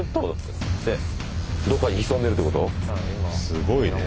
すごいね。